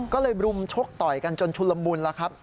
ก็เลยรุมชกต่อยกันจนชุนละมุนแล้วครับ